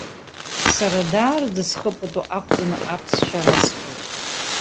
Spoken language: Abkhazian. Сара даараӡа схы пату ақәҵаны аԥсшәа расҳәоит.